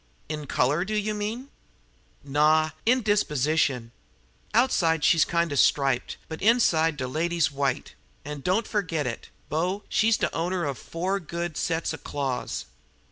"In color, do you mean?" "Naw in disposition. Outside, she's kind of striped, but inside, de lady's white; an' don't yer fergit it, bo, she's de owner of four good sets of claws.